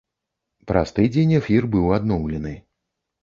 Праз тыдзень эфір быў адноўлены.